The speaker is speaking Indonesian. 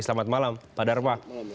selamat malam pak darma